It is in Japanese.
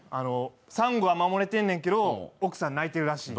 さんごは守れてるけど、奥さん泣いてるらしい。